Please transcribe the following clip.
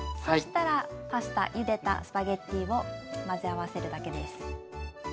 そしたらゆでたスパゲッティを混ぜ合わせるだけです。